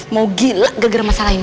mau gila gara gara masalah ini